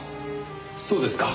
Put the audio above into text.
そうですか。